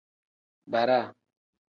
Bara.